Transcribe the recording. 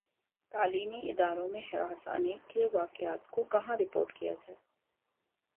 تعلیمی اداروں میں ہراسانی کے واقعات کو کہاں رپورٹ کیا جائے